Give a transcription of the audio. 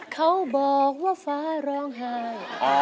เขาบอกว่าฟ้าร้องไห้